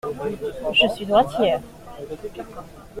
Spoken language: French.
Je suis droitière.